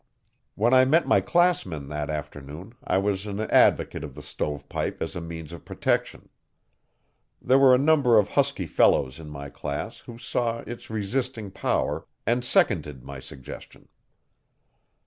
When I met my classmen, that afternoon, I was an advocate of the 'stove pipe' as a means of protection. There were a number of husky fellows, in my class, who saw its resisting power and seconded my suggestion.